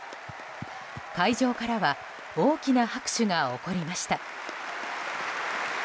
会場からは大きな拍手が起こりました。